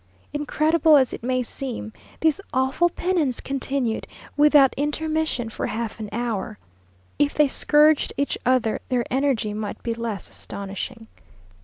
Incredible as it may seem, this awful penance continued, without intermission, for half an hour! If they scourged each other, their energy might be less astonishing.